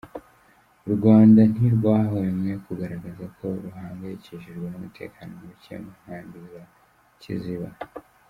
U Rwanda ntirwahwemye kugaragaza ko ruhangayikishijwe n’umutekano muke mu Nkambi ya Kiziba.